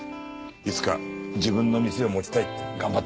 いつか自分の店を持ちたいって頑張ってたよ。